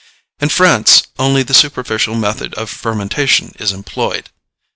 In France only the superficial method of fermentation is employed.